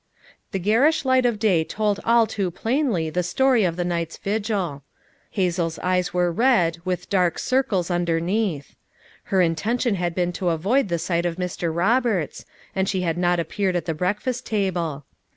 The garish light of day told all too plainly the story of the night's vigil. Hazel's eyes FOUR MOTHERS AT CHAUTAUQUA 341 were red, with dark circles underneath. Her intention had been to avoid the sight of Mr. Roberts, and she had not appeared at the breakfast table.